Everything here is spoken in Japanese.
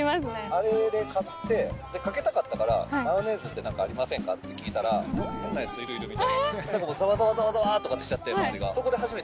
あれで買ってかけたかったからマヨネーズありませんかって聞いたら何か変なやついるいるみたいなザワザワとかってしちゃって周りが。